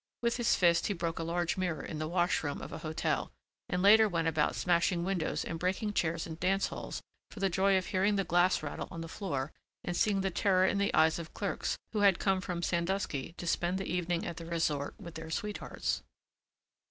With his fist he broke a large mirror in the wash room of a hotel and later went about smashing windows and breaking chairs in dance halls for the joy of hearing the glass rattle on the floor and seeing the terror in the eyes of clerks who had come from Sandusky to spend the evening at the resort with their sweethearts.